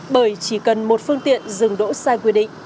bởi chỉ cần một phương tiện dừng đỗ sai quy định